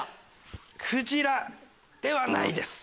クジラではないです。